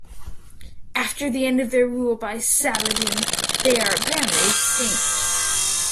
After the end of their rule by Saladin they are apparently extinct.